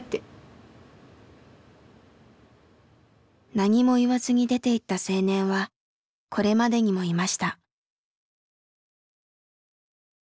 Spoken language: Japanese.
何も言わずに出ていった青年はこれまでにもいました。